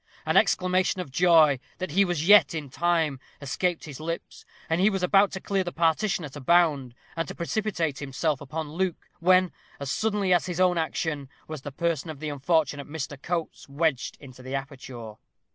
An exclamation of joy, that he was yet in time, escaped his lips; and he was about to clear the partition at a bound, and to precipitate himself upon Luke, when, as suddenly as his own action, was the person of the unfortunate Mr. Coates wedged into the aperture.